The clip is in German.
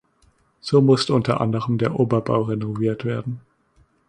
So musste unter anderem der Oberbau renoviert werden.